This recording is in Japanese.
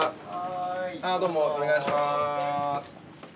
どうもお願いします。